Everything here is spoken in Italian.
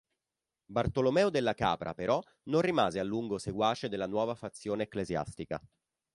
Bartolomeo della Capra, però, non rimase a lungo seguace della nuova fazione ecclesiastica.